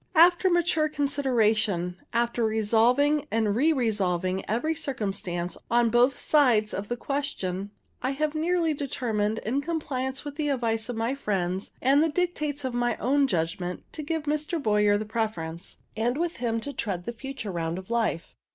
After mature consideration, after revolving and re revolving every circumstance on both sides of the question, I have nearly determined, in compliance with the advice of my friends and the dictates of my own judgment, to give Mr. Boyer the preference, and with him to tread the future round of life.